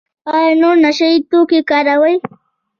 ایا نور نشه یي توکي کاروئ؟